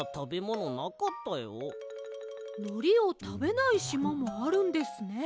のりをたべないしまもあるんですね。